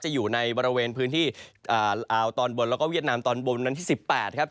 อยู่ในบริเวณพื้นที่ลาวตอนบนแล้วก็เวียดนามตอนบนวันที่๑๘ครับ